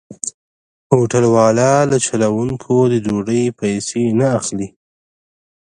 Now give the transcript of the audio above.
هوټل والا له چلوونکو د ډوډۍ پيسې نه اخلي.